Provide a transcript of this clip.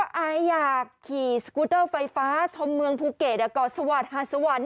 อายอยากขี่สกูเตอร์ไฟฟ้าชมเมืองภูเก็ตก่อสวัสดิหาสวรรค์